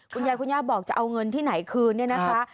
คุณยายคุณย่าบอกจะเอาเงินที่ไหนคืนเนี่ยนะคะ